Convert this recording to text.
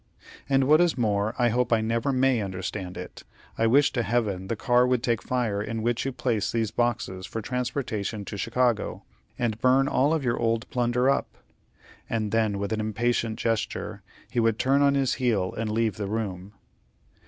"And what is more, I hope I never may understand it. I wish to heaven the car would take fire in which you place these boxes for transportation to Chicago, and burn all of your old plunder up;" and then, with an impatient gesture, he would turn on his heel and leave the room.